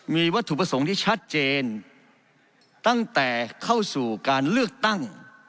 มีวัตถุประสงค์ที่ชัดเจนตั้งแต่เข้าสู่การเลือกตั้ง